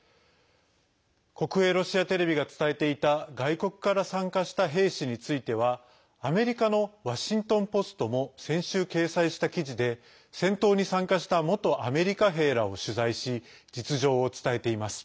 国営ロシアテレビが伝えていた外国から参加した兵士についてはアメリカのワシントン・ポストも先週、掲載した記事で戦闘に参加した元アメリカ兵らを取材し、実情を伝えています。